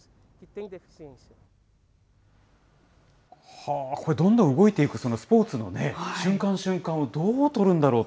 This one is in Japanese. はあ、これ、どんどん動いていく、そのスポーツの瞬間、瞬間をどう撮るんだろう。